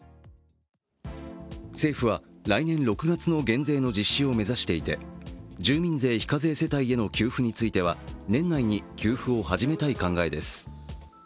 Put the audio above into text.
政府は来年６月の減税の実施を目指していて住民税非課税世帯への給付については年内に給付を始めたい考えです。